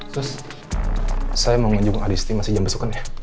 terus saya mau mengunjung adisti masih jam besok kan ya